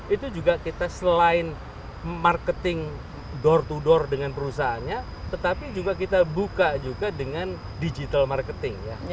itu juga kita selain marketing door to door dengan perusahaannya tetapi juga kita buka juga dengan digital marketing